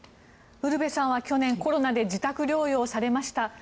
ウルヴェさんは去年コロナで自宅療養されました。